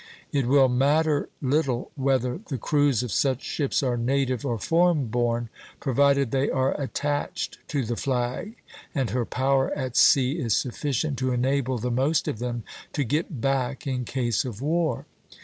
It will matter little whether the crews of such ships are native or foreign born, provided they are attached to the flag, and her power at sea is sufficient to enable the most of them to get back in case of war.